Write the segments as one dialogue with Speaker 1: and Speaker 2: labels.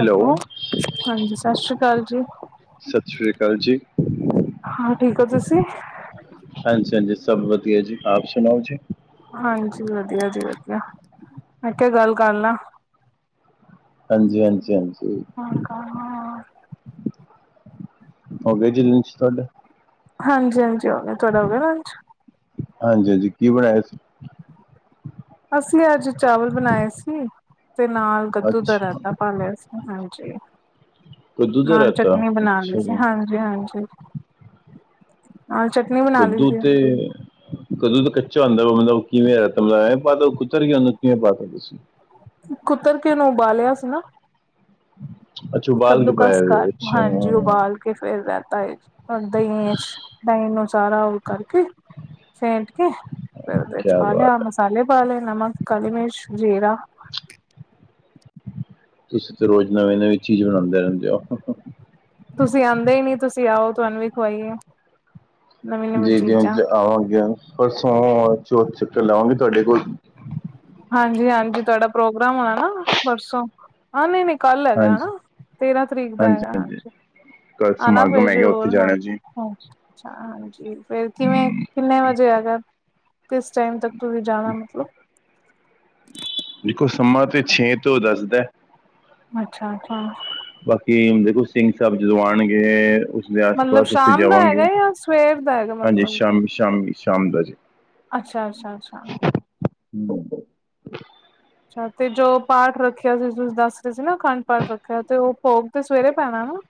Speaker 1: Hello ਹਾਂਜੀ ਸਤਿ ਸ੍ਰੀ ਅਕਾਲ ਜੀ
Speaker 2: ਸਤਿ ਸ਼੍ਰੀ ਅਕਾਲ ਜੀ
Speaker 1: ਹਾਂ ਠੀਕ ਹੋ ਤੁਸੀਂ [unintelligible]
Speaker 2: ਹਾਂਜੀ-ਹਾਂਜੀ ਸਭ ਵਧੀਆ ਜੀ ਆਪ ਸੁਣਾਓ ਜੀ।
Speaker 1: ਹਾਂਜੀ ਵਧੀਆ ਜੀ ਵਧੀਆ ਮੈਂ ਕਿਆ ਗੱਲ ਕਰ ਲਾ। [inaudible]
Speaker 2: ਹਾਂਜੀ ਹਾਂਜੀ ਹਾਂਜੀ ਓ [unintelligible]
Speaker 1: ਹਾਂਜੀ-ਹਾਂਜੀ ਹ ਤੁਹਾਡਾ ਹੋ ਗਿਆ ਲੰਚ
Speaker 2: ਹਾਂਜੀ-ਹਾਂਜੀ ਕੀ ਬਣਾਇਆ ਸੀ?
Speaker 1: ਅਸੀਂ ਅੱਜ ਚਾਵਲ ਬਣਾਏ ਸੀ। ਤੇ ਨਾਲ ਕਦੂ ਦਾ
Speaker 2: ਅੱਛਾ
Speaker 1: ਰੈਤਾ ਪਾ ਲਿਆ ਸੀ ਹਾਂਜੀ। ਜੀ
Speaker 2: ਕੱਦੂ ਦਾ
Speaker 1: ਨਾਲ
Speaker 2: ਰਾਇਤਾ
Speaker 1: ਚਟਨੀ ਬਣਾ ਲਈ
Speaker 2: ਅੱਛਾ
Speaker 1: ਸੀ
Speaker 2: ਜੀ
Speaker 1: ਹਾਂਜੀ-ਹਾਂਜੀ।
Speaker 2: ਕੱਦੂ ਤੇ
Speaker 1: ਸੀ
Speaker 2: ਕੱਦੂ ਦਾ ਕੱਚਾ ਹੁੰਦਾ ਮਤਲਬ ਕਿਵੇਂ ਬ ਐਵੇ ਪਾਤਾ ਕੁਤਰ ਕੇੂ ਮਤਲਬ ਕਿਵੇਂ ਪਾਤਾ ਤੁਸੀ?
Speaker 1: ਕੁਤਰ ਕੇ ਓਨੂੰ ਉਬਾਲਿਆ ਸੀ ਨਾ।
Speaker 2: ਅੱਛਾ ਉਬਾਲ
Speaker 1: ਕੱਦੂ
Speaker 2: ਕੇ ਪਾਇਆ
Speaker 1: ਕਸ ਕਰ
Speaker 2: ਹੋਇਆ
Speaker 1: ਹਾਂਜੀ
Speaker 2: ਅੱਛਾ
Speaker 1: ਉਬਾਲ ਕੇ ਫੇਰ ਰਹਿ ਹੋਰ ਦਹੀ ਐਚ ਦਹੀ ਨੂੰ ਸਾਰਾ ਓ ਕਰਕੇ ਕਰਕੇ ਫੈਂਟ ਕੇ ਫਿਰ ਓਦੇ ਚ
Speaker 2: ਕਿਆ
Speaker 1: ਪਾ ਲਿਆ
Speaker 2: ਬਾਤ ਹੈ
Speaker 1: ਮਸਾਲੇ ਪਾ ਲੈਣਾ, ਨਮਕ, ਕਲੀ ਮਿਰਚ, ਜੀਰਾ।
Speaker 2: ਤੁਸੀਂ ਤਾਂ ਰੋਜ਼ ਨਵੀਂ-ਨਵੀਂ ਚੀਜ਼ ਬਣਾਉਂਦੇ ਰਹਿੰਦੇ ਹੋ।
Speaker 1: ਤੁਸੀਂ ਆਉਂਦੇ ਹੀ ਨੀ ਤੁਸੀਂ ਆਓ ਤੁਹਾਨੂੰ ਵੀ ਖਵਾਈਏ। ਨਵੀਂ ਨਵੀਂ ਚੀਜ਼ਾਂ
Speaker 2: ਜੀ-ਜੀ ਆਵਾਂਗੇ। ਪਰਸੋਂ ਆਵਾ ਚੋ-ਚੱਕਰ ਲਾਵਾਂਗੇ ਤੁਹਾਡੇ ਕੋਲ।
Speaker 1: ਹਾਂਜੀ-ਹਾਂਜੀ ਤੁਹਾਡਾ ਪ੍ਰੋਗਰਾਮ ਹੋਣਾ ਨਾ ਪਰਸੋਂ ਹਾਂ ਨਹੀਂ ਨਹੀਂ। ਕੱਲ ਹੈਗਾ ਹਣਾ
Speaker 2: ਹਾਂਜੀ
Speaker 1: ਤੇਰਾਂ ਤਰੀਕ ਦਾ ਹੈਗਾ ਹਾਂਜੀ
Speaker 2: ਕੱਲ
Speaker 1: ਆਨਾ ਫਿਰ
Speaker 2: ਸਮਾਗਮ ਹੈਗਾ ਉੱਥੇ
Speaker 1: ਜ਼ਰੂਰ ਹਾਂ।
Speaker 2: ਜਾਣਾ ਜੀ
Speaker 1: ਹਾਂਜੀ ਫਿਰ ਕਿਵੇਂ ਕਿੰਨੇ ਵਜੇ ਐਗਾ? ਕਿਸ ਟਾਈਮ ਤੱਕ ਤੁਸੀਂ ਜਾਣਾ ਮਤਲਬ?
Speaker 2: ਦੇਖੋ ਸੰਮਾ ਤੇ ਛੇ ਤੋਂ ਦੱਸ ਦੈ।
Speaker 1: ਅੱਛਾ-ਅੱਛਾ।
Speaker 2: ਬਾਕੀ ਹੁਣ ਦੇਖੋ ਸਿੰਘ ਸਾਬ ਜਦੋਂ ਆਣਗੇ
Speaker 1: ਮਤਲਬ, ਸ਼ਾਮ ਦਾ ਹੈਗਾ ਜਾਂ ਸਵੇਰ ਦਾ ਹੈਗਾ?
Speaker 2: ਹਾਂਜੀ
Speaker 1: ਮਤਲਬ।
Speaker 2: ਸ਼ਾਮੀ ਸ਼ਾਮੀ ਸ਼ਾਮ ਦਾ ਜੀ।
Speaker 1: ਅੱਛਾ, ਅੱਛਾ, ਅੱਛਾ।
Speaker 2: ਹੂੰ
Speaker 1: ਅਤੇ ਜੋ ਪਾਠ ਰੱਖਿਆ ਸੀ, ਤੁਸੀਂ ਦੱਸ ਰਹੇ ਸੀ ਨਾ, ਅਖੰਡ ਪਾਠ ਰੱਖਿਆ, ਤੇ ਉਹ ਭੋਗ ਤੇ ਸਵੇਰੇ ਪੈਣਾ ਹੈ ਨਾਂ?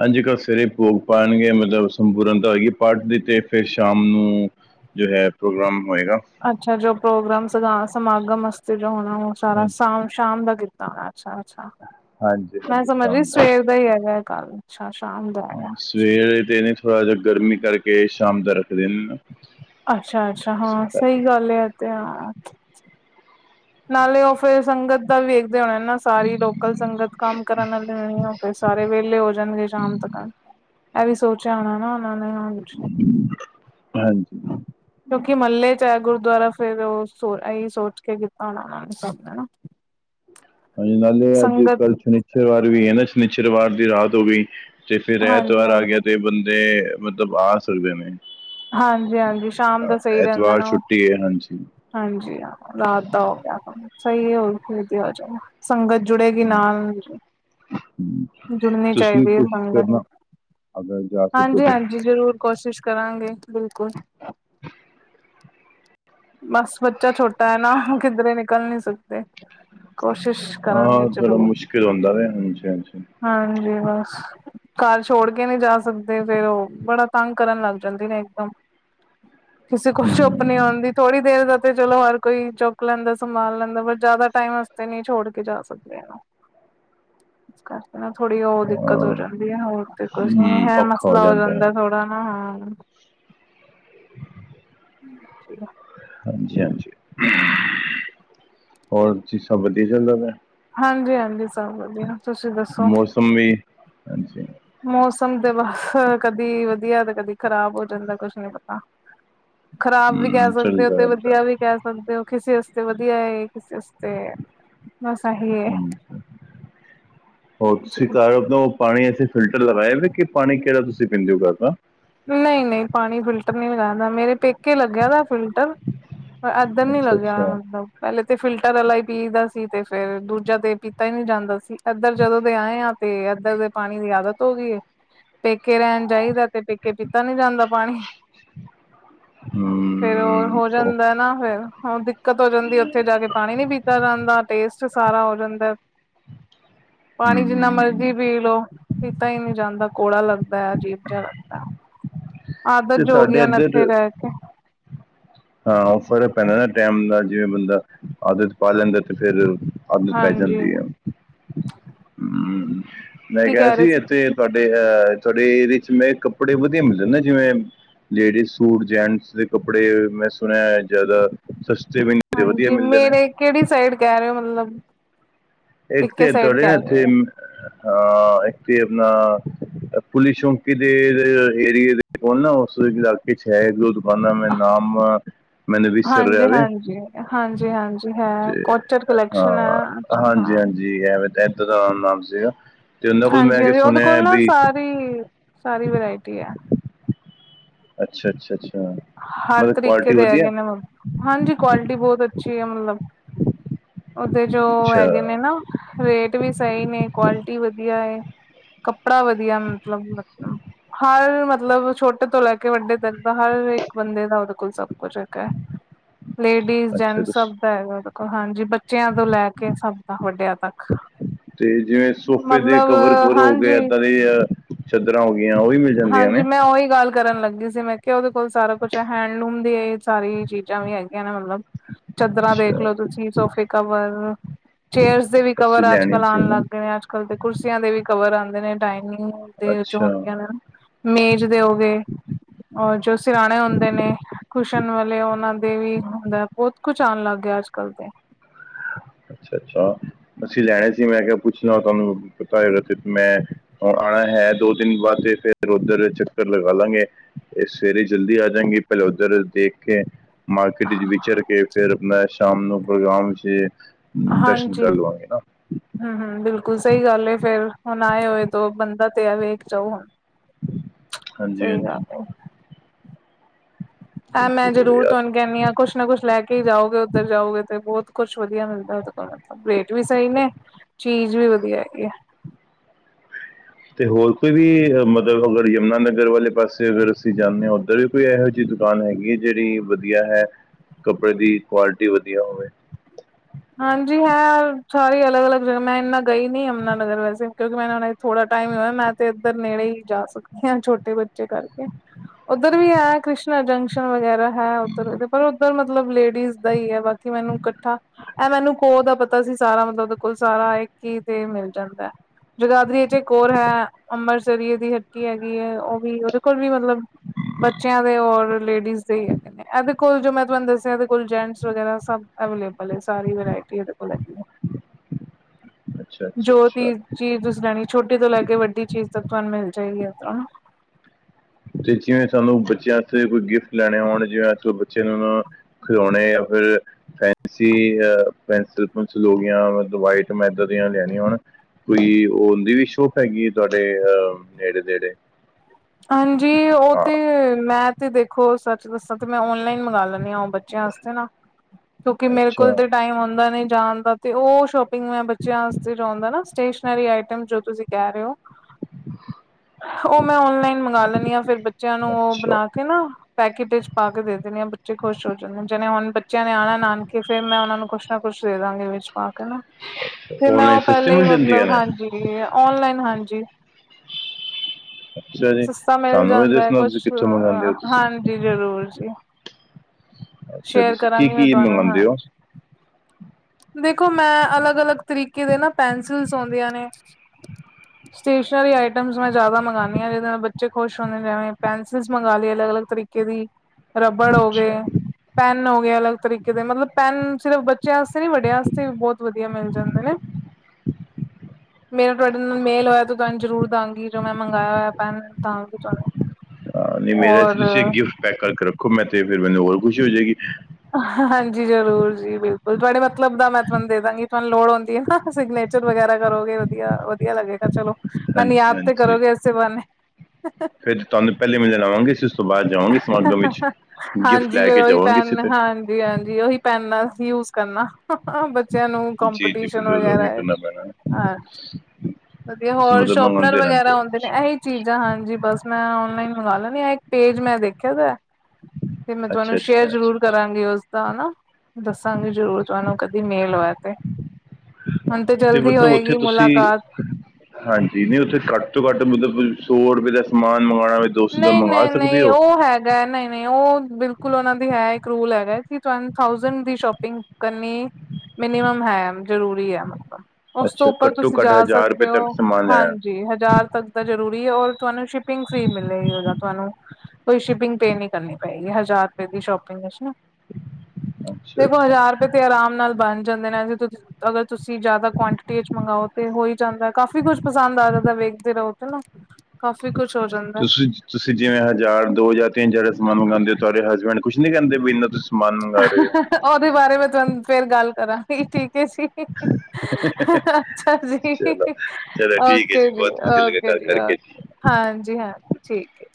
Speaker 2: ਹਾਂਜੀ ਕੱਲ ਸਵੇਰੇ ਭੋਗ ਮਤਲਬ ਸੰਪੂਰਨ ਤਾਂ ਹੋਏਗੀ ਪਾਠ ਦੀ। ਤੇ ਫਿਰ ਸ਼ਾਮ ਨੂੰ ਜੋ ਹੈ ਪ੍ਰੋਗਰਾਮ ਹੋਏਗਾ
Speaker 1: ਅੱਛਾ ਜੋ ਪ੍ਰੋਗਰਾਮ ਸੀਗਾ ਸਮਾਗਮ ਵਾਸਤੇ ਹੋਣਾ ਉਹ ਸਾਰਾ,
Speaker 2: ਹਾਂਜੀ
Speaker 1: ਸ਼ਾਮ, ਸ਼ਾਮ ਦਾ ਕੀਤਾ ਹੋਇਆ ਅੱਛਾ ਅੱਛਾ।
Speaker 2: ਹਾਂਜੀ
Speaker 1: ਮੈਂ
Speaker 2: ਹਾਂਜੀ
Speaker 1: ਸਮਝ ਰੀ
Speaker 2: ਸ਼ਾਮ
Speaker 1: ਸਵੇਰ ਦਾ ਹੀ ਹੈਗਾ । ਘਰ 'ਚ
Speaker 2: ਸਵੇਰੇ ਤੇ ਨਹੀਂ ਥੋੜਾ ਜਹਾ ਗਰਮੀ ਕਰਕੇ ਸ਼ਾਮ ਦਾ ਰੱਖ ਲਿਆ।
Speaker 1: ਅੱਛਾ ਅੱਛਾ ਹਾਂ ਸਹੀ ਗੱਲ ਹੈ ਇਹ ਤੇ। ਨਾਲੇ ਓ ਫੇਰ ਸੰਗਤ ਦਾ ਵੇਖਦੇ ਹੋਣੇ ਨਾ। ਸਾਰੀ ਲੋਕਲ ਸੰਗਤ, ਕੰਮ ਕਰਨ ਵਾਲੇ ਹੋਣੇ ਨਾ ਸਾਰੇ, ਵਿਹਲੇ ਹੋ ਜਾਣਗੇ ਸ਼ਾਮ ਤੱਕ ਐਨ ਇਹ ਵੀ ਸੋਚਿਆ ਹੋਣਾ ਨਾ। ਉਹਨਾਂ ਨੇ ਹਾਂਜੀ।
Speaker 2: ਹਾਂਜੀ।
Speaker 1: ਕਿਉਂਕਿ ਮਹੱਲੇ 'ਚ ਹੈ, ਗੁਰ ਦੁਆਰਾ, ਫਿਰ ਉਹ, ਇਹੀ ਸੋਚ ਕੇ ਕੀਤਾ ਹੋਣਾ, ਉਹਨਾਂ ਨੇ ਸਭ ਨੇ ।
Speaker 2: ਹੂੰ ਨਾਲੇ ਅੱਜ ਕੱਲ, ਸ਼ਨੀਵਾਰ ਵਾਰ ਵੀ ਹੈ ਨਾ। ਸ਼ਨੀਚਵਾਰ ਦੀ ਰਾਤ ਹੋ ਗਈ। ਤੇ ਫਿਰ
Speaker 1: ਹਾਂਜੀ
Speaker 2: ਐਤਵਾਰ ਆ
Speaker 1: ਹਾਂਜੀ
Speaker 2: ਗਿਆ, ਤੇ ਬੰਦੇ ਮਤਲਬ, ਆ ਸਕਦੇ ਨੇ ।
Speaker 1: ਹਾਂਜੀ, ਹਾਂਜੀ ਸ਼ਾਮ ਦਾ ਸਹੀ ਰਹਿੰਦਾ
Speaker 2: ਐਤਵਾਰ
Speaker 1: ਨਾ। ਉਹ,
Speaker 2: ਛੁੱਟੀ ਹੈ ਹਾਂਜੀ
Speaker 1: ਹਾਂਜੀ, ਹਾਂ ਰਾਤ ਦਾ ਹੋ ਗਿਆ । ਸਹੀ ਏ, ਹੋਰ [unintelligible] ਸੰਗਤ ਜੁੜੇਗੀ
Speaker 2: ਹਮ,
Speaker 1: ਨਾਲ। ਜੁੜਨੀ
Speaker 2: ਤੁਸੀਂ
Speaker 1: ਚਾਹੀਦੀ ਹੈ
Speaker 2: ਕੁਛ
Speaker 1: ਸੰਗਤ।
Speaker 2: ਕਰਨਾ ਅਗਰ ਜਾ ਸਕੋ
Speaker 1: ਹਾਂਜੀ,
Speaker 2: ਤੇ
Speaker 1: ਹਾਂਜੀ। ਜ਼ਰੂਰ ਕੋਸ਼ਿਸ਼ ਕਰਾਂਗੇ। ਬਿਲਕੁਲ ਬਸ, ਬੱਚਾ ਛੋਟਾ ਹੈ ਨਾ ਕਿਧਰੇ ਨਿਕਲ ਨੀ ਸਕਦੇ, ਕੋਸ਼ਿਸ਼ ਕਰਾਂਗੇ
Speaker 2: ਹਾਂ ਥੋੜਾ
Speaker 1: ਜਰੂਰ।
Speaker 2: ਮੁਸ਼ਕਿਲ ਹੁੰਦਾ ਵੇ ਹਾਂਜੀ ਹਾਂਜੀ
Speaker 1: ਹਾਂਜੀ, ਹਾਂ। ਘਰ ਛੋੜ ਕੇ ਨਹੀਂ ਜਾ ਸਕਦੇ ਫੇਰ ਉਹ, ਬੜਾ ਤੰਗ ਕਰਨ ਲੱਗ ਜਾਂਦੇ ਨੇ ਇਕ ਦਮ। ਕਿਸੇ ਕੋਲ ਚੁੱਪ ਨੀ
Speaker 2: ਹਮ,
Speaker 1: ਹੁੰਦੀ, ਥੋੜੀ ਦੇਰ ਤ ਚਲੋ ਹਰ ਕੋਈ ਚੁੱਕ ਲੈਂਦਾ, ਸੰਭਾਲ ਲੈਂਦਾ, ਪਰ ਜ਼ਿਆਦਾ ਟਾਈਮ ਵਾਸਤੇ ਨਹੀਂ ਛੋੜ ਕੇ ਜਾ ਸਕਦੇ ਇਹਨੂੰ। ਇਸ ਕਰਕੇ ਨਾ ਥੋੜ੍ਹੀ ਉਹ ਦਿੱਕਤ ਹੋ
Speaker 2: ਹਾਂ,
Speaker 1: ਜਾਂਦੀ ਹੈ, ਹੋਰ ਤੇ ਕੁਛ ਨੀ
Speaker 2: ਹਮ,
Speaker 1: ਹੈ,
Speaker 2: ਔਖਾ
Speaker 1: ਮਸਲਾ ਹੋ
Speaker 2: ਹੈ
Speaker 1: ਜਾਂਦਾ ਥੋੜਾ ਨਾ, ਹਾਂ ਹੂੰ [unintelligible]
Speaker 2: ਹਾਂਜੀ-ਹਾਂਜੀ, ਹੋਰ ਜੀ ਸਭ ਵਧੀਆ ਚੱਲਦਾ ਪਿਆ?
Speaker 1: ਹਾਂਜੀ- ਹਾਂਜੀ, ਸਭ ਵਧੀਆ। ਤੁਸੀਂ ਦੱਸੋ
Speaker 2: ਮੌਸਮ ਵੀ ਹਾਂਜੀ
Speaker 1: ਮੌਸਮ ਦੇ ਬਸ ਕਦੀ ਵਧੀਆ, ਤੇ ਕਦੀ ਖ਼ਰਾਬ ਹੋ ਜਾਂਦਾ। ਕੁਛ ਨੀ ਪਤਾ ਖ਼ਰਾਬ ਵੀ ਕਹਿ
Speaker 2: ਹਮ,
Speaker 1: ਸਕਦੇ ਹੋ
Speaker 2: ਚੱਲਦਾ
Speaker 1: ਤੇ
Speaker 2: ਰਹਿੰਦਾ ਹੈ
Speaker 1: ਵਧੀਆ ਵੀ ਕਹਿ ਸਕਦੇ ਹੋ। ਕਿਸੇ ਵਾਸਤੇ ਵਧੀਆ ਏ ਕਿਸੇ ਵਾਸਤੇ, ਬਸ ਇਹੀ ਏ,
Speaker 2: ਹਾਂਜੀ
Speaker 1: ਜੀ।
Speaker 2: ਤੁਸੀਂ ਘਰ ਆਪਣਾ ਉਹ ਪਾਣੀ ਐਸੇ ਫਿਲਟਰ ਲਗਾਇਆ ਵੇ, ਕਿ ਪਾਣੀ ਕਿਹੜਾ ਤੁਸੀਂ ਪੀਂਦੇ ਹੋ ਘਰ ਦਾ?
Speaker 1: ਨਹੀਂ ਨਹੀਂ ਪਾਣੀ ਫਿਲਟਰ ਨਹੀਂ ਲਾਇਆ ਦਾ, ਮੇਰੇ ਪੇਕੇ ਲੱਗਿਆ ਦਾ ਫਿਲਟਰ, ਇੱਧਰ ਨਹੀਂ
Speaker 2: ਅੱਛਾ
Speaker 1: ਲੱਗਿਆ
Speaker 2: ਅੱਛਾ
Speaker 1: ਹੋਇਆ ਮਤਲਬ। ਪਹਿਲੇ ਤੇ ਫਿਲਟਰ ਵਾਲਾ ਹੀ ਪੀ ਦਾ ਸੀ, ਤੇ ਫੇਰ ਦੂਜਾ ਤੇ ਪੀਤਾ ਹੀ ਨੀ ਜਾਂਦਾ ਸੀ। ਇੱਧਰ ਜਦੋਂ ਦੇ ਆਏ ਹਾਂ ਤੇ ਇੱਧਰ ਦੇ ਪਾਣੀ ਦੀ ਆਦਤ ਹੋ ਗਈ ਏ ਪੇਕੇ ਰਹਿਣ ਜਾਈਦਾ ਤੇ ਪੇਕੇ ਪੇਕੇ ਪਿੱਤਾ ਨੀ ਜਾਂਦਾ। ਪਾਣੀ, ਫੇਰ ਉਹ
Speaker 2: ਹੂੰ
Speaker 1: ਹੋ
Speaker 2: ਉਹ
Speaker 1: ਜਾਂਦਾ ਨਾ ਫੇਰ। ਹਾਂ ਤੇ ਦਿੱਕਤ ਹੋ ਜਾਂਦੀ ਉੱਥੇ ਜਾ ਕੇ ਪਾਣੀ ਨੀ ਪੀਤਾ ਜਾਂਦਾ ਟੇਸਟ ਸਾਰਾ ਹੋ ਜਾਂਦਾ, ਪਾਣੀ ਜਿੰਨਾ ਮਰਜ਼ੀ
Speaker 2: ਹੂੰ
Speaker 1: ਪੀ ਲੋ, ਪੀਤਾ ਹੀ ਨਹੀਂ ਜਾਂਦਾ, ਕੌੜਾ ਲੱਗਦਾ, ਅਜੀਬ। [unintelligible] ਆਦਤ
Speaker 2: ਤੇ
Speaker 1: ਜੋ ਹੋ ਗਈ
Speaker 2: ਤੁਹਾਡੇ
Speaker 1: ਹੁਣ ਇੱਥੇ
Speaker 2: ਇੱਧਰ,
Speaker 1: ਰਹਿ ਕੇ
Speaker 2: ਹਾਂ ਫਰਕ ਪੈਣਾ ਨਾ ਟਾਈਮ ਦਾ ਜਿਵੇਂ ਬੰਦਾ ਆਦਤ ਪਾ ਲੈਂਦਾ ਤੇ ਫੇਰ ਆਦਮੀ ਪੈ
Speaker 1: ਹਾਂਜੀ
Speaker 2: ਜਾਂਦੀ ਹੈ। ਮੈਂ
Speaker 1: ਕੀ
Speaker 2: ਕਿਹਾ
Speaker 1: ਕਹਿ ਰਹੇ
Speaker 2: ਸੀ ਇੱਥੇ
Speaker 1: ਤੁਸੀਂ
Speaker 2: ਤੁਹਾਡੇ ਅਹ ਤੁਹਾਡੇ ਏਰੀਏ ਚ ਮੈਂ ਕੱਪੜੇ ਵਧੀਆ ਮਿਲਦੇ? ਜਿਵੇਂ ਲੇਡੀਜ਼ ਸੂਟ, ਜੈਂਟਸ ਦੇ ਕੱਪੜੇ, ਮੈਂ ਸੁਣਿਆ ਜ਼ਿਆਦਾ ਸਸ
Speaker 1: ਹਾਂਜੀ ਮੇਰੇ ਕਿਹੜੀ ਸਾਈਡ ਕਹਿ ਰਹੇ ਹੋ ਮਤਲਬ? [unintelligible]
Speaker 2: ਇੱਕ
Speaker 1: ਪੇਕੇ
Speaker 2: ਤੇ
Speaker 1: ਸਾਈਡ
Speaker 2: ਤੁਹਾਡੇ
Speaker 1: ਕਹਿ ਰਹੇ
Speaker 2: ਇਥੇ
Speaker 1: ਹੋ
Speaker 2: ਹਾਂ ਇਥੇ ਆਪਣਾ ਪੁਲਿਸ ਚੌਂਕੀ ਦੇ ਏਰੀਏ ਦੇ ਕੋਲ ਨਾ ਉਸ ਇਲਾਕੇ ਚ ਹੈ ਮੈਂ ਨਾਮ ਮੈਨ ਵਿਸਰ ਰਿਹਾ ਵ
Speaker 1: ਹਾਂਜੀ-ਹਾਂਜੀ, ਹਾਂਜੀ-ਹਾਂਜੀ ਹੈ
Speaker 2: ਤੇ
Speaker 1: ਕੋਚਰ
Speaker 2: ਹਾਂ
Speaker 1: ਕਲੈਕਸ਼ਨ ਹੈ ਅੱਛਾ
Speaker 2: ਹਾਂਜੀ ਜੀ
Speaker 1: ਹਾਂ
Speaker 2: ਹਾਂਜੀ ਏ ਵੀ ਤਾ ਦਾ ਨਾਮ ਸੀਗਾ ਤੇ ਉਹਨਾਂ ਕੋਲ ਮੈਂ
Speaker 1: ਹਾਂਜੀ ਹਾਂ
Speaker 2: ਕੇ
Speaker 1: ਉਹਦੇ
Speaker 2: ਸੁਣਿਆ
Speaker 1: ਕੋਲ ਨਾ
Speaker 2: ਵੀ
Speaker 1: ਸਾਰੀ ਸਾਰੀ ਵਰਾਇਟੀ ਹੈ
Speaker 2: ਅੱਛਾ ਅੱਛਾ ਅੱਛਾ
Speaker 1: ਹਰ ਤਰੀਕੇ ਦੇ ਹੈਗੇ ਨੇ ਮਤਲ ਹਾਂਜੀ ਕੁਆਲਿਟੀ ਬਹੁਤ ਅੱਛੀ ਹੈ ਮਤਲਬ ਉਹਦੇ ਜੋ
Speaker 2: ਅੱਛਾ,
Speaker 1: ਹੈਗੇ ਨੇ ਨਾ ਰੇਟ ਵੀ ਸਹੀ ਨੇ ਕੁਆਲਿਟੀ ਵਧੀਆ ਹੈ ਕੱਪੜਾ ਵਧੀਆ ਮਤਲਬ ਹਰ ਮਤਲਬ ਛੋਟੇ ਤੋਂ ਲੈ ਕੇ ਵੱਡੇ ਤੱਕ ਦਾ ਹਰ ਇੱਕ ਬੰਦੇ ਦਾ ਉਹਦੇ ਕੋਲ ਸਬ ਕੁਛ ਹੈਗ ਹੈ ਲੇਡੀਸ
Speaker 2: ਅੱਛਾ
Speaker 1: ਜੈੈਂਟ
Speaker 2: ਤੁਸ
Speaker 1: ਸਬਦਾ ਹੈਗਾੋਂ ਹਾਂਜੀ ਬੱਚਿਆਂ ਤੋਂ ਲੈ ਕੇ ਸਭ ਦਾ ਵੱਡਿਆ ਤੱਕ
Speaker 2: ਤੇ ਜਿਵੇਂ ਸੋਫੇ ਦੇ
Speaker 1: ਮਤਲਬ
Speaker 2: ਕਵਰ ਕਵਰ ਹੋ ਗਏ
Speaker 1: ਹਾਂਜੀ
Speaker 2: ਇਏਦਾਂ ਦੀ ਚਾਦਰਾਂ ਹੋ ਗਈਆਂ ਉਹ ਵੀ ਮਿਲ ਜਾਂਦੀਆਂ
Speaker 1: ਹਾਂਜੀ
Speaker 2: ਨੇ
Speaker 1: ਮੈਂ ਉਹੀ ਗੱਲ ਕਰਨ ਲੱਗੀ ਸੀ ਮੈਂ ਕਿਹਾ ਉਹਦੇ ਕੋਲ ਸਾਰਾ ਕੁਛ ਹੈਂਡਲੂਮ ਦੀ ਸਾਰੀ ਚੀਜ਼ਾਂ ਵੀ ਹੈਗੀਆਂ ਨੇ ਮਤਲਬ ਚਾਦਰਰਾਾਂ
Speaker 2: ਅੱਛਾ
Speaker 1: ਦੇਖਲੋ ਤੁਸੀਂ ਸੋਫੇ ਕਵਰ ਚੇਅਰਸ ਦੇ ਵੀ
Speaker 2: ਅਸੀਂ
Speaker 1: ਕਵਰ ਅੱਜ
Speaker 2: ਲੈਣੀ
Speaker 1: ਕਲ
Speaker 2: ਸੀ
Speaker 1: ਆਉਣ
Speaker 2: ਨਾ
Speaker 1: ਲੱਗ ਨੇ ਅੱਜ ਕੱਲ੍ਹ ਤੇ ਕੁਰਸੀਆਂ ਦੇ ਵੀ ਕਵਰ ਆਉਂਦੇ ਨੇ ਡਾਇਨ ਜੋ
Speaker 2: ਅੱਛਾ,
Speaker 1: ਹੁੰਦੀਆਂ ਨੇ ਮੇਜ ਦੇ ਹੋ ਗਏ ਔਰ ਜੋ ਸਰਾਣੇ ਹੁੰਦੇ ਨੇ ਕੁਸ਼ਨ ਵਾਲੇ ਉਹਨਾਂ ਦੇ ਵੀ ਹੁੰਦਾ ਬਹੁਤ ਕੁਝ ਆਉਣ ਲੱਗ ਗਿਆ ਅੱਜ ਕੱਲ ਦੇ
Speaker 2: ਅੱਛਾ ਅੱਛਾ ਅਸੀਂ ਲੈਣੇ ਸੀ ਮੈਂ ਕਿਹਾ ਪੁੱਛ ਲ ਤੁਹਾਨੂੰ ਪਤਾ ਹੈ ਰ ਮੈਂ ਹੁਣ ਆਉਣਾ ਹੈ ਦੋ ਦਿਨ ਬਾਅਦ ਤੇ ਫਿਰ ਉਓਧਰ ਚੱਕਰ ਲਗਾ ਲਾਂਗੇ ਤੇ ਸਵੇਰੇ ਜਲਦੀ ਆ ਜਾਗੀ ਪਹਿਲਾਂ ਉੱਧਰ ਦੇਖ ਕੇ ਮਾਰਕੀਟ ਚ ਵਿਚਰ ਕੇ ਫੇਰ ਆਪਣਾ ਸ਼ਾਮ ਨੂੰ ਪ੍ਰੋਗਰਾਮ ਅਤੇ ਦਰਸ਼ਨ
Speaker 1: ਹਾਂਜੀ
Speaker 2: ਕਰ ਲਵਾਂਗੇ ਨਾ
Speaker 1: ਹਮ ਹਮ ਬਿਲਕੁਲ ਸਹੀ ਗੱਲ ਏ ਫੇਰ ਹੁਣ ਆਏ ਹੋਏ ਤੋਂ ਬੰਦਾ ਤੇ ਆ ਵੇਖ ਜਾਓ ਹੁਣ ਸਹੀ
Speaker 2: ਹਾਂਜੀ-ਹਾਂਜੀ,
Speaker 1: ਗੱਲ ਹ ਮੈਂ
Speaker 2: ਜ਼ਰੂਰ
Speaker 1: ਜਰੂਰ
Speaker 2: ਯਾਰ
Speaker 1: ਤੁਹਣ ਕਹਦੀ ਹਾਂ ਕੁੱਛ ਨਾ ਕੁੱਛ ਲੈ ਕੇ ਹੀ ਜਾਓਗੇ ਉੱਧਰ ਜਾਓਗੇ ਤੇ ਬਹੁਤ ਕੁਛ ਵਧੀਆ ਮਿਲਦਾ ਉਹਦੇ ਕੋਲ ਮਲਬ ਰੇਟ ਵੀ ਸਹੀ ਨੇ ਚੀਜ਼ ਵੀ ਵਧੀਆ ਹੈਗੀ ਆ
Speaker 2: ਤੇ ਹੋਰ ਕੋਈ ਵੀ ਮਤਲਬ ਅਗਰ ਯਮੁਨਾ ਨਗਰ ਵਾਲੇ ਪਾਸੇ ਅਗਰ ਅਸੀਂ ਜਾਂਦੇ ਹਾਂ ਉੱਧਰ ਵੀ ਕੋਈ ਏਹੋ ਜੀ ਦੁਕਾਨ ਹੈਗੀ ਐ, ਜਿਹੜੀ ਵਧੀਆ ਹੈ ਕੱਪੜੇ ਦੀ ਕੁਆਲਿਟੀ ਵਧੀਆ ਹੋਵੇ?
Speaker 1: ਹਾਂਜੀ ਹੈ ਸਾਰੀ ਅਲੱਗ ਅਲੱਗ ਜਗ੍ਹਾ ਮੈਂ ਇਨਾ ਗਈ ਨੀ ਯਮਨਾਨਗਰ ਵੈਸੇ ਕਿਉਂਕਿ ਮੈ ਹਏ ਥੋੜ੍ਹਾ ਟਾਈਮ ਈ ਹੋਇਆ। ਮੈਂ ਤੇ ਇੱਧਰ ਨੇੜੇ ਹੀ ਜਾ ਸਕਨੀ ਆਂ, ਛੋਟੇ ਬੱਚੇ ਕਰਕੇ। ਉੱਧਰ ਵੀ ਹੈ, ਕ੍ਰਿਸ਼ਨਾ ਜੰਕਸ਼ਨ ਵਗੈਰਾ ਹੈ ਉਧਰ, ਪਰ ਉੱਧਰ ਮਤਲਬ ਲੇਡੀਜ਼ ਦਾ ਈ ਐ। ਬਾਕੀ ਮੈਨੂੰ ਇਕੱਠਾ ਇਹ ਮੈਨੂੰ ਕੋਅ ਦਾ ਪਤਾ ਸੀ ਸਾਰਾ ਮਤਲਬ ਓਦੇ ਕੋਲ ਸਾਰਾ ਇੱਕ ਹੀ ਤੇ ਮਿਲ ਜਾਂਦਾ ਐ। ਜਗਾਦਰੀ ਚ ਇਕ ਔਰ ਹੈ, ਅੰਮਰਸਰੀਏ ਦੀ ਹੱਟੀ ਹੈਗੀ ਐ, ਉਹ ਵੀ ਉਹਦੇ ਕੋਲ ਵੀ ਮਤਲਬ ਬੱਚਿਆਂ ਦੇ ਔਰ ਲੇਡੀਜ਼ ਦੇ ਈ ਹੈਗੇ ਨੇ। ਇਹਦੇ ਕੋਲ ਜੋ ਮੈਂ ਤੁਆਨੂੰ ਦੱਸਿਆ, ਇਹਦੇ ਕੋਲ ਜੈਂਟਸ ਵਗੈਰਾ ਸਭ ਅਵੇਲੇਬ ਮਤਲਬ ਸਾਰੀ ਵਰਾਇਟੀ ਇਹਦੇ ਕੋਲ ਹੈਗੀ ਐ।
Speaker 2: ਅੱਛਾ, ਅੱਛਾ,
Speaker 1: ਜੋ
Speaker 2: ਅੱਛਾ।
Speaker 1: ਦੀ ਚੀਜ਼ ਤੁਸੀਂ ਲੈਣੀ, ਛੋਟੀ ਤੋਂ ਲੈ ਕੇ ਵੱਡੀ ਚੀਜ਼ ਤੁਆਨੂੰ ਮਿਲ ਜਾਏਗੀ ਏਥੋਂ।
Speaker 2: ਤੇ ਜਿਵੇਂ ਸਾਨੂੰ ਬੱਚਿਆਂ ਵਾਸਤੇ ਕੋਈ ਗਿਫਟ ਲੈਣੇ ਹੋਣ ਜਿਵੇਂ ਅਜ ਤ ਬੱਚੇ ਨੂੰ ਖਿਲੌਣੇ ਜਾਂ ਫਿਰ ਫੈਂਸੀ ਯਾ ਪੈਂਸਿਲ ਪੁਨਸਿਲ ਹੋਗੀਆਂ ਮਲਬ ਤੇ ਵਾਈਟ ਐਦਾਂ ਦੀਆਂ ਲੈਣੀਆਂ ਹੋਣ, ਕੋਈ ਓਂਦੀ ਵੀ ਸ਼ੋਪ ਹੈਗੀ ਐ ਤੁਆਡੇ ਅਹ ਨੇੜੇ ਤੇੜੇ।
Speaker 1: ਹਾਂਜੀ ਉਹ
Speaker 2: ਹਾਂ
Speaker 1: ਤੇ ਮੈਂ ਤੇ ਦੇਖੋ ਸਰ ਦੱਸਾਂ ਤਾਂ ਮੈਂ ਓਨਲਾਈਨ ਮੰਗਾ ਲੈਂਦੀ ਆ ਓਹ ਬੱਚਿਆਂ ਆਸਤੇ ਨਾ। ਕਿਉਂਕਿ ਮੇਰੇ ਕੋਲ ਤੇ
Speaker 2: ਅੱਛਾ-ਅੱਛਾ
Speaker 1: ਟਾਈਮ ਹੋਂਦਾ ਨੀ ਜਾਣ ਦਾ ਤੇ ਉਹ ਸ਼ੋਪਿੰਗ ਮੈਂ ਬੱਚਿਆਂ ਵਾਸਤੇ ਜੋ ਹੋਂਦਾ ਨਾ ਸਟੇਸ਼ਨਰੀ ਆਈਟਮ ਜੋ ਤੁਸੀਂ ਕਹਿ ਰਹੇ ਓ ਉਹ ਮੈਂ ਔਨਲਾਈਨ ਮੰਗਾ ਲੈਨੀ ਆ। ਫੇਰ ਬੱਚਿਆਂ ਨੂੰ ਉਹ ਬਣਾ ਕੇ ਨਾ ਪੈਕੇਟ ਇੱਚ ਪਾ ਕੇ ਦੇ ਦੇਨੀ ਆ। ਬੱਚੇ ਖੁਸ਼ ਖੁਸ਼ ਹੋ ਜਾਂਦੇ ਨੇ। ਜਿਵੇਂ ਹੁਣ ਬੱਚਿਆਂ ਨੇ ਆਣਾ ਨਾਨਕੇ ਫੇਰ ਮੈਂ ਉਹਨਾਂ ਨੂੰ ਕੁਛ ਨਾ ਕੁਛ ਦੇ ਦਾਂਗੀ ਵਿੱਚ ਪਾ ਕੇ ਨਾ। ਫੇਰ ਮੈਂ
Speaker 2: ਔਨਲਾਈਨ
Speaker 1: ਉਹ
Speaker 2: ਸਸਤੀ
Speaker 1: ਪਹਿਲੇ ਹੀ
Speaker 2: ਮਿਲ ਜਾਂਦੀਆਂ
Speaker 1: ਮਤਲਬ,
Speaker 2: ਨੇ
Speaker 1: ਹਾਂਜੀ। ਓਨਲਾਈਨ ਹਾਂਜੀ।
Speaker 2: ਅੱਛਾ ਜੀ
Speaker 1: ਸਸਤਾ ਮਿਲ
Speaker 2: ਸਾਨੂੰ ਵੀ
Speaker 1: ਜਾਂਦਾ ਐ,
Speaker 2: ਦੱਸਣਾ
Speaker 1: ਕੁਛ,
Speaker 2: ਤੁਸੀਂ ਕਿੱਥੋਂ ਮੰਗਾਂਦੇ ਹੋ ਤੁਸੀਂ
Speaker 1: ਹਾਂਜੀ ਜ਼ਰੂਰ ਜੀ।
Speaker 2: ਅੱਛਾ
Speaker 1: ਸ਼ੇਅਰ
Speaker 2: ਤੁਸੀਂ ਕੀ
Speaker 1: ਕਰਾਂਗੀ ਮੈਂ
Speaker 2: ਕੀ
Speaker 1: ਤੁਹਾਨੂੰ
Speaker 2: ਮੰਗਾਂਦੇ
Speaker 1: ਹਾਂ
Speaker 2: ਓ?
Speaker 1: ਦੇਖੋ ਮੈਂ ਅਲੱਗ ਅਲੱਗ ਤਰੀਕੇ ਦੇ ਨਾ ਪੈਨਸਿਲਸ ਹੋਂਦੀਆਂ ਨੇ, ਸਟੇਸ਼ਨਰੀ ਆਈਟਮਸ ਮੈਂ ਜ਼ਿਆਦਾ ਮੰਗਾਂਨੀ ਆਂ, ਜਿਹਦੇ ਨਾਲ ਬੱਚੇ ਖੁਸ਼ ਹੁੰਦੇ ਜੇਵੇਂ ਪੈਨਸਿਲਸ ਮੰਗਵਾ ਲੀਏ ਅਲੱਗ ਅਲੱਗ ਤਰੀਕੇ ਦੀ। ਰੱਬੜ ਹੋ ਗੇ
Speaker 2: ਅੱਛਾ
Speaker 1: ਪੈਨ ਹੋ ਗੇ ਅਲੱਗ ਤਰੀਕੇ ਦੇ ਮਤਲਬ ਪੈਨ ਸਿਰਫ ਬੱਚਿਆਂ ਆਸਤੇ ਨੀ ਵੱਡਿਆਂ ਆਸਤੇ ਵੀ ਬਹੁਤ ਵਧੀਆ ਮਿਲ ਜਾਂਦੇ ਨੇ। ਮੇਰਾ ਤੁਆਡੇ ਨਾਲ ਮੇਲ ਹੋਇਆ ਤਾਂ ਤੁਹਾਨੂੰ ਜ਼ਰੂਰ ਦਾਂਗੀ ਜੋ ਮੈਂ ਮੰਗਾਇਆ ਹੋਇਆ ਪੈਨ ਦਾਂਗੀ ਤੁਆਨੂੰ।
Speaker 2: ਹਾਂ ਨਹੀਂ ਮੇਰਾ ਤੇ ਤੁਸੀਂ ਗਿਫਟ ਪੈਕ ਕਰਕੇ ਰੱਖੋ ਮੈਂ ਤੇ ਫਿਰ ਮੈਨੂੰ ਹੋਰ ਖੁਸ਼ੀ ਹੋ ਜੇਗੀ।
Speaker 1: ਹਾਂਜੀ ਜ਼ਰੂਰ ਜੀ ਬਿਲਕੁਲ ਤੁਆਡੇ ਵਾ ਮਤਲਬ ਦਾ ਮੈਂ ਤੁਹਾਨੂੰ ਦੇ ਦਾਂਗੀ ਤੁਹਾਨੂੰ ਲੋੜ ਆਉਂਦੀ ਏ ਨਾ, ਸਿਗਨੇਚਰ ਵਗੈਰਾ ਕਰੋਗੇ ਵਧੀਆ ਵਧੀਆ ਲੱਗੇਗਾ ਚਲੋ। ਮੈਨੂੰ
Speaker 2: ਹਾਂਜੀ
Speaker 1: ਯਾਦ ਤੇ
Speaker 2: ਹਾਂਜੀ।
Speaker 1: ਕਰੋਗੇ ਇਸੇ ਬਹਾਨੇ
Speaker 2: ਫੇਰ ਤੇ ਤੁਆਨੂੰ ਪਹਿਲੇ ਮਿਲਣ ਆਵਾਂਗੇ ਉਸ ਤੋਂ ਬਾਅਦ ਜਾਵਾਂਗੇ ਸਮਾਗਮ ਵਿੱਚ ਗਿਫਟ
Speaker 1: ਹਾਂਜੀ
Speaker 2: ਲੈ
Speaker 1: ਫੇਰ
Speaker 2: ਕੇ
Speaker 1: ਓਹੀ
Speaker 2: ਜਾਵਾਂਗੇ ਅਸੀਂ
Speaker 1: ਪੈਨ,
Speaker 2: ਤੇ
Speaker 1: ਹਾਂਜੀ ਹਾਂਜੀ, ਓਹੀ ਪੈਨ ਨਾਲ ਯੂਜ਼ ਕਰਨਾ ਵਧ ਬੱਚਿਆਂ ਨੂੰ
Speaker 2: ਜੀ ਜੀ
Speaker 1: ਕੌਪੰਟੀਸ਼ਨ
Speaker 2: ਬਿਲਕੁਲ
Speaker 1: ਵਗੈਰਾ
Speaker 2: ਉਵੇਂ ਕਰਨਾ
Speaker 1: ਚ
Speaker 2: ਪੈਣਾ
Speaker 1: ਹਾਂਜੀ ਵਧੀਆ
Speaker 2: ਤੁਸੀਂ
Speaker 1: ਹੋਰ
Speaker 2: ਮਦਦ
Speaker 1: ਸ਼ੋਪਨਰ
Speaker 2: ਮੰਗਾਉਂਦੇ ਰਹਿੰਦੇ
Speaker 1: ਵਗੈਰਾ
Speaker 2: ਹੋ
Speaker 1: ਆਉਂਦੇ ਨੇ
Speaker 2: ਅੱਛਾ
Speaker 1: ਇਹੀ ਚੀਜ਼ਾਂ। ਹਾਂਜੀ ਬਸ ਮੈਂ ਓਨਲਾਈਨ ਮੰਗਾ ਲੈਨੀ ਆਂ, ਇੱਕ ਪੇਜ ਮੈਂ ਦੇਖਿਆ ਦਾ ਐ। ਤੇ ਮੈਂ
Speaker 2: ਅੱਛਾ
Speaker 1: ਤੁਹਾਨੂੰ ਸ਼ੇਅਰ
Speaker 2: ਅੱਛਾ
Speaker 1: ਜ਼ਰੂਰ ਕਰਾਂਗੀ ਉਸ ਤਾਂ ਨਾ, ਦੱਸਾਂਗੀ ਜ਼ਰੂਰ ਤੁਹਾਨੂੰ ਕਦੀ ਮੇਲ ਹੋਇਆ ਤੇ। ਹੁਣ ਤੇ ਜਲਦੀ
Speaker 2: ਮਤਲਬ ਉੱਥੇ
Speaker 1: ਹੋਏਗੀ
Speaker 2: ਤੁਸੀਂ
Speaker 1: ਮੁਲਾਕਾਤ।
Speaker 2: ਹਾਂਜੀ ਨਹੀਂ ਉੱਥੇ ਘੱਟ ਤੋਂ ਘੱਟ ਮਤਲਬ ਸੌ ਰੁਪਏ ਦਾ ਸਮਾਨ, ਮੰਗਾਉਣਾ ਹੋਵੇ ਦਾ ਮੰਗਾ ਸਕਦੇ
Speaker 1: ਨਹੀਂ-ਨਹੀਂ-ਨਹੀਂ,
Speaker 2: ਹੋ
Speaker 1: ਉਹ ਹੈਗਾ ਨਹੀਂ-ਨਹੀਂ ਉਹ ਬਿਲਕੁਲ ਉਹਨਾਂ ਦੀ ਹੈ। ਰੂਲ ਹੈਗਾ ਕੀ ਤੁਹਾਨੁੰ ਥਾਓਜੈਟ ਦੀ ਸ਼ੋਪਿੰਗ ਕਰਨੀ ਮਿਨੀਮ ਹੈ ਜਰੂਰੀ ਹੈ ਮਤਲਬ, ਉਸ ਤੋਂ
Speaker 2: ਅੱਛਾ
Speaker 1: ਉਪਰ
Speaker 2: ਘੱਟੋ
Speaker 1: ਤੁਸੀਂ
Speaker 2: ਘੱਟ
Speaker 1: ਜਾ
Speaker 2: ਰੁਪਏ
Speaker 1: ਸਕਦੇ
Speaker 2: ਤੱਕ
Speaker 1: ਹੋ
Speaker 2: ਸਮਾਨ ਲੈਣਾ
Speaker 1: ਹਾਂਜੀ ਹਜ਼ਾਰ ਤੱਕ ਦਾ ਜਰੂਰੀ ਹੈ ਔਰ ਤੁਹਾਨੂੰ ਸ਼ਿਪਿੰਗ ਫ੍ਰੀ ਮਿਲ ਤੁਹਾਨੂੰ ਕੋਈ ਸ਼ਿਪਿੰਗ ਪੇ ਨੀ ਕਰਨੀ ਪਏਗੀ ਹਜ਼ਾਰ ਰੁਪਏ ਦੀ ਸ਼ੋਪਿੰਗ ਨਾ,
Speaker 2: ਅੱਛਾ
Speaker 1: ਦੇਖੋ
Speaker 2: ਅੱਛਾ
Speaker 1: ਹਜ਼ਾਰ ਰੁਪਏ ਤੇ ਆਰਾਮ ਨਾਲ ਬਣ ਜਾ, ਜਾਂਦੇ ਨੇ ਅਗਰ ਤੁਸੀ, ਤੁਸੀਂ ਜ਼ਿਆਦਾ ਕੁਆਂਟਿਟੀ ਵਿੱਚ ਮੰਗਓ ਤੇ ਹੋ ਹੀ ਜਾਂਦਾ ਕਾਫੀ ਕੁੱਛ ਪਸੰਦ ਆ ਜਾਂਦਾ ਵੇਖ ਫਿਰ ਔ ਚ ਨਾ, ਕਾਫੀ ਕੁਛ ਹੋ ਜਾਂਦਾ।
Speaker 2: ਤੁਸੀਂ ਤੁਸੀਂ ਜਿਵੇਂ ਹਜ਼ਾਰ ਦੋ ਜਾਂ ਤਿੰਨ ਹਜ਼ਾਰ ਸਮਾਨ ਮੰਗਵਾਦੇ ਹੋ ਤੁਹਾਡੇ ਹਸਬੈਂਡ ਕੁਛ ਨੀ ਕਹਿਦੇ ਵੀ ਇੰਨਾ ਤੁ
Speaker 1: ਉਹਦੇ ਬਾਰੇ ਮ ਫੇਰ ਗੱਲ ਕਰਾਂਗੇ ਠੀਕ ਹੈ ਜੀ ਅੱਛਾ ਜੀ
Speaker 2: ਚਲੋ ਚਲੋ ਠੀਕ ਹੈ
Speaker 1: ਓਕੇ ਜੀ
Speaker 2: ਬਹੁਤ ਵਧੀਆ ਲੱਗਾ
Speaker 1: ਓਕੇ
Speaker 2: ਗੱਲ
Speaker 1: ਜੀ
Speaker 2: ਕਰਕੇ
Speaker 1: ਓਕੇ ਹਾਂਜੀ ਹਾਂ। ਠੀਕ ਹੈ,